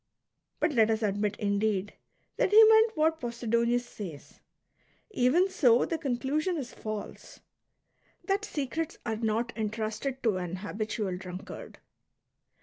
But let us admit, indeed, that he meant what Posidonius says ; even so, the conclusion is false, — that secrets are not entrusted to an habitual drunkard.